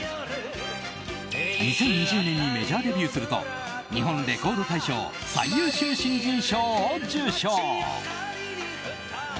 ２０２０年にメジャーデビューすると日本レコード大賞最優秀新人賞を受賞。